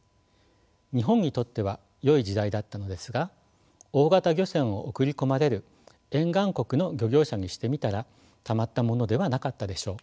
日本にとってはよい時代だったのですが大型漁船を送り込まれる沿岸国の漁業者にしてみたらたまったものではなかったでしょう。